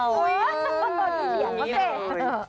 อุ้ยมันตอนนี้เหลี่ยวมากเลย